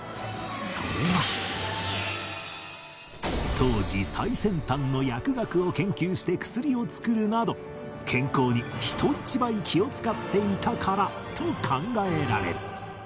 当時最先端の薬学を研究して薬を作るなど健康に人一倍気を使っていたからと考えられる